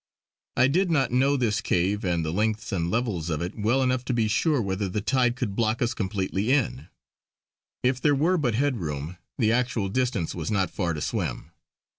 I did not know this cave and the lengths and levels of it well enough to be sure whether the tide could block us completely in. If there were but head room the actual distance was not far to swim.